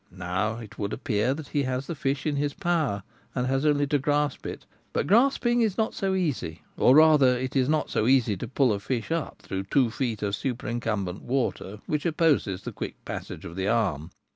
Now it would appear that he has the fish in his power, and has only to grasp it. But grasping is not so easy ; or Fishing by Hand. 1 89 rather it is not so easy to pull a fish up through two feet of superincumbent water which opposes the quick passage of the arm.